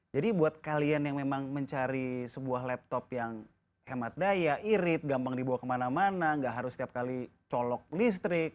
jadi buat kalian yang memang mencari sebuah laptop yang hemat daya irit gampang dibawa kemana mana nggak harus setiap kali colok listrik